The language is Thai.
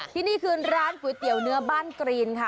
ที่นี่คือร้านก๋วยเตี๋ยวเนื้อบ้านกรีนค่ะ